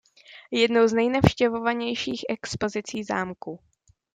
Je jednou z nejnavštěvovanějších expozicí zámku.